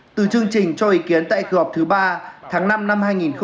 từ chương trình cho ý kiến tại kỳ họp thứ ba tháng năm năm hai nghìn hai mươi